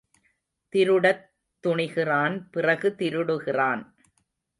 திருடத் துணிகிறான் பிறகு திருடுகிறான்.